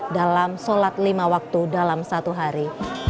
dalam sholat lima waktu dalam satu hari